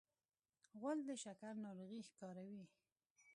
غول د شکر ناروغي ښکاروي.